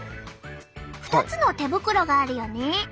２つの手袋があるよね。